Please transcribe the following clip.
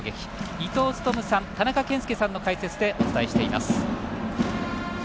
伊東勤さん、田中賢介さんの解説でお伝えしています。